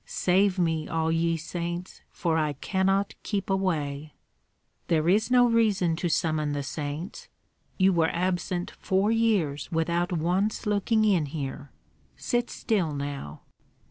Save me, all ye saints, for I cannot keep away!" "There is no reason to summon the saints. You were absent four years without once looking in here; sit still now!"